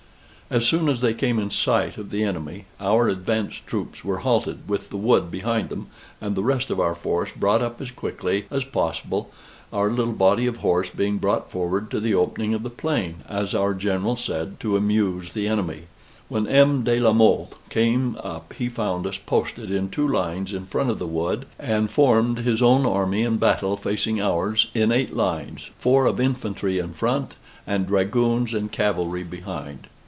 As soon as they came in sight of the enemy, our advanced troops were halted, with the wood behind them, and the rest of our force brought up as quickly as possible, our little body of horse being brought forward to the opening of the plain, as our General said, to amuse the enemy. When M. de la Mothe came up, he found us posted in two lines in front of the wood; and formed his own army in battle facing ours, in eight lines, four of infantry in front, and dragoons and cavalry behind.